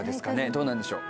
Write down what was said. どうなんでしょう？